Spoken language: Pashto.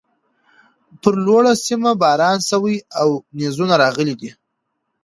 پر لوړۀ سيمه باران شوی او نيزونه راغلي دي